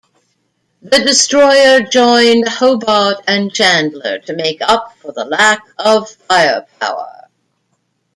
The destroyer joined "Hobart" and "Chandler" to make up for the lack of firepower.